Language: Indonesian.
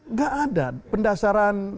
nggak ada pendasaran